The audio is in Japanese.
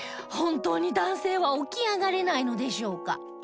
本当に男性は起き上がれないのでしょうか？